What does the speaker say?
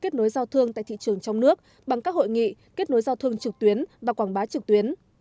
kết nối giao thương tại thị trường trong nước bằng các hội nghị kết nối giao thương trực tuyến và quảng bá trực tuyến